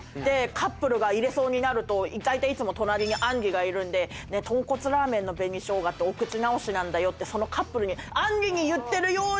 カップルが入れそうになるとだいたい隣にあんりがいるんでとんこつラーメンの紅しょうがってお口直しなんだよってそのカップルにあんりに言ってるようにして。